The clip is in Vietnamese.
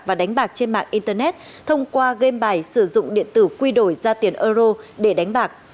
và đánh bạc trên mạng internet thông qua game bài sử dụng điện tử quy đổi ra tiền euro để đánh bạc